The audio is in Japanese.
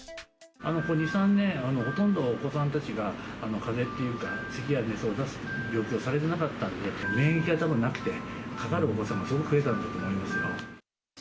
ここ２、３年、ほとんどお子さんたちが、かぜっていうか、せきや熱を出す病気をされてなかったので、免疫がたぶんなくて、かかるお子さんもすごく増えたんだと思いますよ。